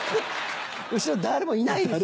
後ろ誰もいないです。